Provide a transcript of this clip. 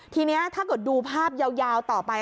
ทีนี้ถ้าเกิดดูภาพยาวต่อไป